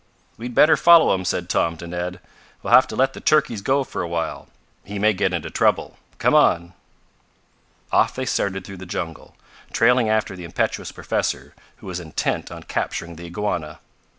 "We'd better follow him," said Tom to Ned. "We'll have to let the turkeys go for a while. He may get into trouble. Come on." Off they started through the jungle, trailing after the impetuous professor who was intent on capturing the iguana.